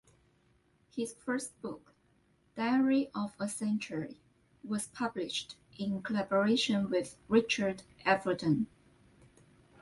His first book, "Diary of a Century" was published in collaboration with Richard Avedon.